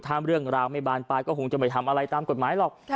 ถ้าเรื่องราวไม่บานปลายก็คงจะไม่ทำอะไรตามกฎหมายหรอก